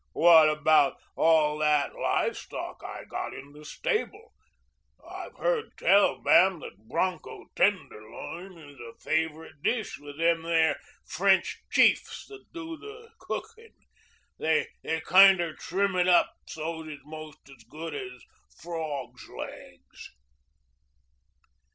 What about all that live stock I got in the stable? I've heard tell, ma'am, that broncho tenderloin is a favorite dish with them there French chiefs that do the cooking. They kinder trim it up so's it's 'most as good as frawgs' legs."